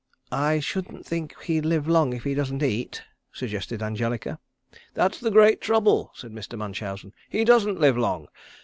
"I shouldn't think he'd live long if he doesn't eat?" suggested Angelica. "That's the great trouble," said Mr. Munchausen. "He doesn't live long.